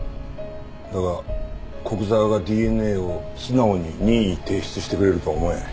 だが古久沢がＤＮＡを素直に任意提出してくれるとは思えん。